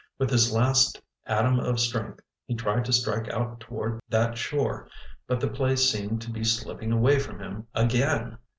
With his last atom of strength, he tried to strike out toward that shore, but the place seemed to be slipping away from him again.